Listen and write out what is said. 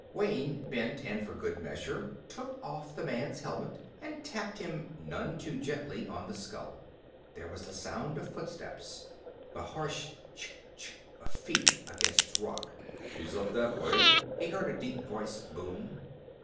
Wayne bent and, for good measure, took off the man's helmet and tapped him none too gently on the skull. There was the sound of footsteps, the harsh chitch chitch of feet against the rock. "He's up that way," he heard a deep voice boom.